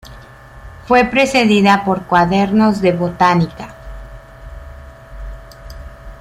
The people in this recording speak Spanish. Fue precedida por "Cuadernos de Botánica".